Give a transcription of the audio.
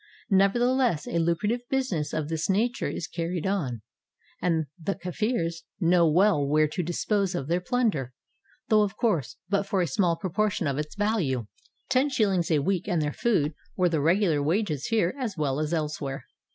Nevertheless, a lucra tive business of this nature is carried on, and the Kafirs know well where to dispose of their plunder, though of course but for a small proportion of its value. Ten shillings a week and their food were the regular wages here as well as elsewhere.